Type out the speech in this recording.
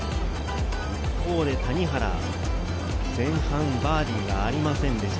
一方で谷原、前半はバーディーがありませんでした。